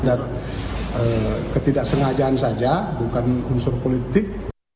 dan ketidaksengajaan saja bukan unsur politik